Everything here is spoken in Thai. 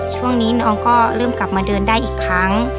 ช่วงนี้น้องก็เริ่มกลับมาเดินได้อีกครั้ง